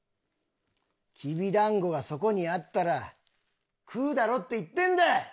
きび団子がそこにあったら食うだろって言ってんだ！